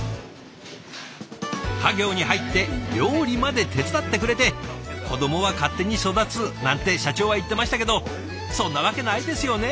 家業に入って料理まで手伝ってくれて「子どもは勝手に育つ」なんて社長は言ってましたけどそんなわけないですよね？